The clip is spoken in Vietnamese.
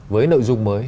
với nội dung mới